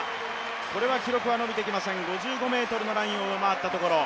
これは記録は伸びてきません、５５ｍのラインを上回ったところ。